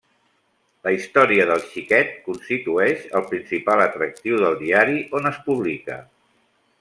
La història del xiquet constitueix el principal atractiu del diari on es publica.